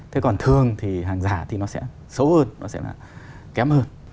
thế còn thường thì hàng giả thì nó sẽ xấu hơn nó sẽ là kém hơn